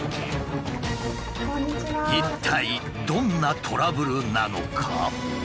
一体どんなトラブルなのか？